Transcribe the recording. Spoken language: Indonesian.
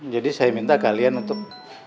jadi saya minta kalian untuk